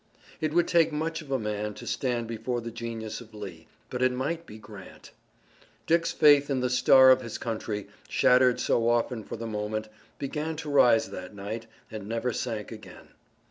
It would take much of a man to stand before the genius of Lee, but it might be Grant. Dick's faith in the star of his country, shattered so often for the moment, began to rise that night and never sank again.